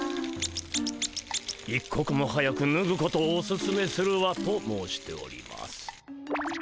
一刻も早くぬぐことをおすすめするわと申しております。